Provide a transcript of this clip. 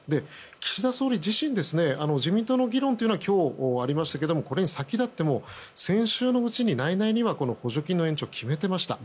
岸田総理自身自民党の議論というのは今日ありましたけれどもこれに先立っても先週のうちに内々には補助金の延長を決めていました。